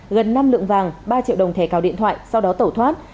gần năm lượng vàng ba triệu đồng thẻ cào điện thoại sau đó tẩu thoát